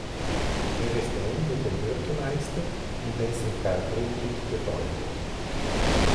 Er ist eng mit dem Bürgermeister und dessen Frau Brigitte befreundet.